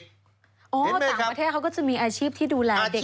อ๋อต่างประเทศเขาก็จะมีอาชีพที่ดูแลเด็กที่เยอะมากมั้ยครับ